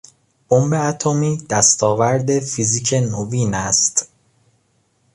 بمب اتمی دستاورد فیزیک نوین است.